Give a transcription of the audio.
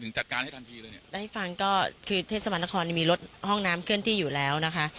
จัดการให้ทันทีเลยเนี่ยได้ฟังก็คือเทศบาลนครนี่มีรถห้องน้ำเคลื่อนที่อยู่แล้วนะคะ